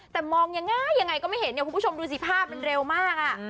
แต่มองง่ายยังไงก็ไม่เห็นคุณผู้ชมดูสิภาพเร็วมาก